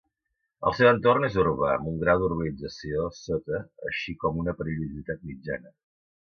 El seu entorn és urbà amb un grau d'urbanització sota així com una perillositat mitjana.